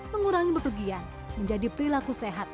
mengurangi bepergian menjadi perilaku sehat